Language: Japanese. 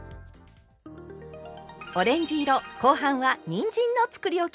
オレンジ色後半はにんじんのつくりおきです。